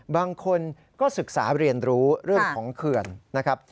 บางคนก็ศึกษาเรียนรู้เรื่องของเขื่อนนะครับ